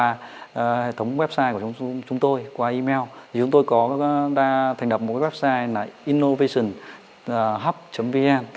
hệ thống website của chúng tôi qua email thì chúng tôi có đã thành lập một cái website là innovationhub vn